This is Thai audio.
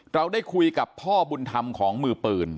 เราได้คุยกับพ่อบุญธรรมของมือปืน